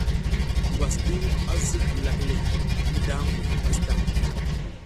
Ngwas du a zuɓ milak le, ngi dambu pastaʼa.